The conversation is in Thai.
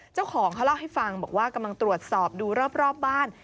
เจ้าของเขาเล่าให้ฟังบอกว่ากำลังตรวจสอบดูรอบบ้าน